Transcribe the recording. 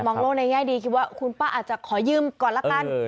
อโลกในแง่ดีคิดว่าคุณป้าอาจจะขอยืมก่อนละกัน